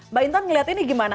mbak intan melihat ini gimana